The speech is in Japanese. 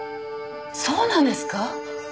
そうなんですか！？